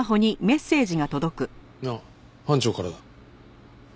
あっ班長からだ。